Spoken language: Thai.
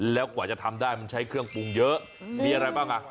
แล้วกว่าจะทำได้มันใช้เครื่องปรุงเยอะ